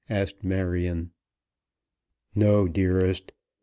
asked Marion. "No, dearest.